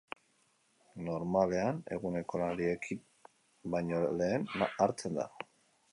Normalean eguneko lanari ekin baino lehen hartzen da.